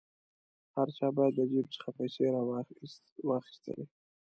هر چا به د جیب څخه پیسې را واخیستلې.